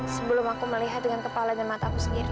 sebelum aku melihat dengan kepala dan mataku sendiri